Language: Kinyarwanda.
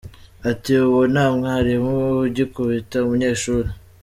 Ati ”Ubu nta mwarimu ugikubita umunyeshuri.